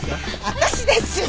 私ですよ